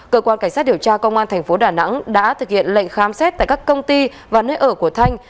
cơ quan cảnh sát điều tra công an tp đà nẵng đã thực hiện lệnh khám xét tại các công ty và nơi ở của thanh